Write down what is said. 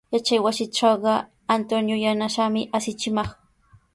Yachaywasitrawqa Antonio yanasaami asichimaq.